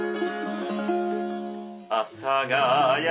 「阿佐ヶ谷